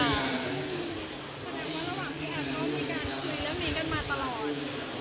แสดงว่าระหว่างพี่แอมเขามีการคุยเรื่องนี้กันมาตลอด